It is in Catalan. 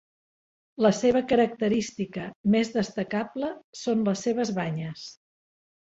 La seva característica més destacable són les seves banyes.